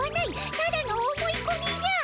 ただの思いこみじゃ！